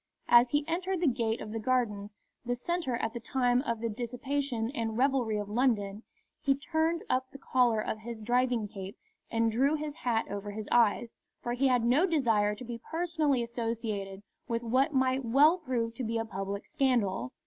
As he entered the gate of the Gardens, the centre at that time of the dissipation and revelry of London, he turned up the collar of his driving cape and drew his hat over his eyes, for he had no desire to be personally associated with what might well prove to be a public scandal.